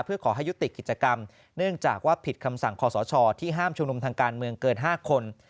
เพื่อขอให้ยุติกิจกรรมเนื่องจากว่าผิดคำสั่งคอสชที่ห้ามชุมนุมทางการเมืองเกิน๕คน